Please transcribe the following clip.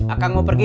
akang mau pergi